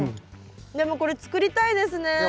でもこれ作りたいですね。